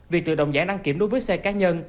vì tự động giải năng kiểm đối với xe cá nhân